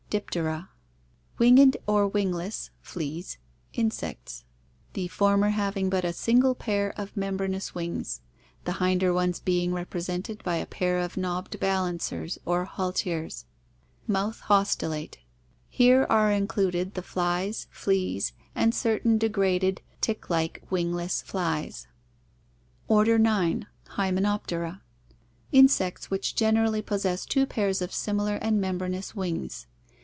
Diptera. Winged or wingless (fleas) insects, the former hav ing but a single pair of membranous wings, the hinder ones being rep resented by a pair of knobbed balancers or halteres. Mouth haustellate. Here are included the flies, fleas, and certain degraded, tick like, wing less flies. Order 9. Hymenoptera. Insects which generally possess two pairs of similar and membranous wings.